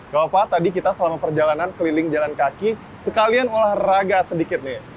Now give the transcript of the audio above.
gak apa apa tadi kita selama perjalanan keliling jalan kaki sekalian olahraga sedikit nih